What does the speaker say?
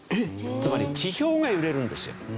つまり地上が揺れるんですよ。